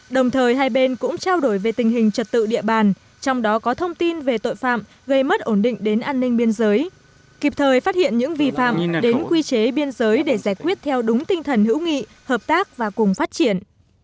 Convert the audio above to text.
đồng thời hai bên cũng trao đổi về tình hình trật tự địa bàn trong đó có thông tin về tội phạm gây mất ổn định đến an ninh biên giới kịp thời phát hiện những vi phạm đến quy chế biên giới để giải quyết theo đúng tinh thần hữu nghị hợp tác và cùng phát triển